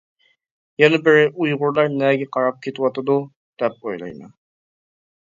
يەنە بىرى، «ئۇيغۇرلار نەگە قاراپ كېتىۋاتىدۇ؟ » دەپ ئويلايمەن.